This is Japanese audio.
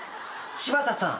柴田さん？